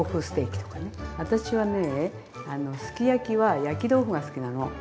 私はねえすき焼きは焼き豆腐が好きなの。